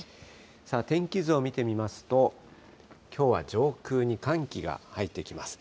天気図を見てみますと、きょうは上空に寒気が入ってきます。